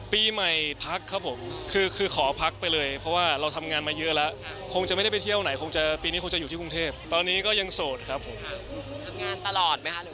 ปีใหม่พักครับผมคือขอพักไปเลยเพราะว่าเราทำงานมาเยอะแล้วคงจะไม่ได้ไปเที่ยวไหนคงจะปีนี้คงจะอยู่ที่กรุงเทพตอนนี้ก็ยังโสดครับผมทำงานตลอดไหมคะ